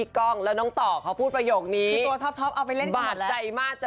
ชอบฟังแบบนี้เหรอพี่ดุนะหนูไหวเหรอ